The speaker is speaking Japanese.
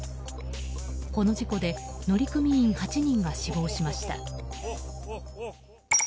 この事故で乗組員８人が死亡しました。